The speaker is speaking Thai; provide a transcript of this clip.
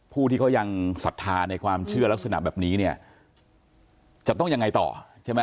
ผู้ที่เขายังศรัทธาในความเชื่อลักษณะแบบนี้เนี่ยจะต้องยังไงต่อใช่ไหม